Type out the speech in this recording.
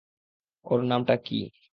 ওর নামটা কী?